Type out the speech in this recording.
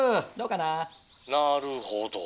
「なるほど」。